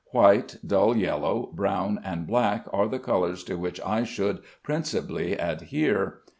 White, dull yellow, brown, and black are the colors to which I should principally adhere.